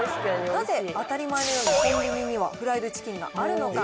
なぜ当たり前のようにコンビニにはフライドチキンがあるのか。